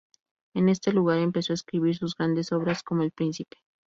En este lugar empezó a escribir sus grandes obras, como "El Príncipe".